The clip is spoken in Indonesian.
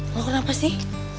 lu kenapa sih